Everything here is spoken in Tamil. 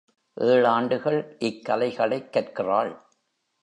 ஏழாண்டுகள் இக் கலைகளைக் கற்கிறாள்.